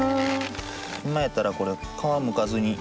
今やったらこれ皮むかずに。